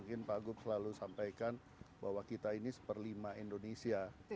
mungkin pak gup selalu sampaikan bahwa kita ini satu per lima indonesia